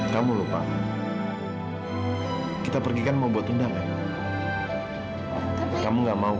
kamu lupa kita pergi kan mau buat undang undang kamu nggak mau kan